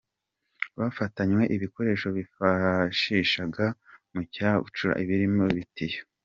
Bafatanywe ibikoresho bifashishaga mu kuyacukura birimo ibitiyo.